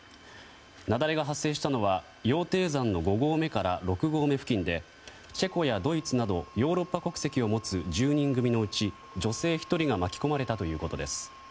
雪崩が発生したのは羊蹄山の５合目から６合目付近でチェコやドイツなどヨーロッパ国籍を持つ１０人組のうち、女性１人が巻き込まれたということです。